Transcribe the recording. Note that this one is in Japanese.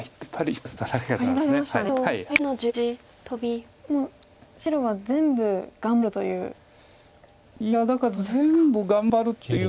でも白は全部頑張るという。